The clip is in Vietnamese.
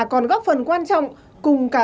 còn góp phần quan trọng cùng cả